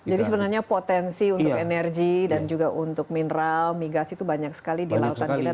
jadi sebenarnya potensi untuk energi dan juga untuk mineral mi gas itu banyak sekali di lautan kita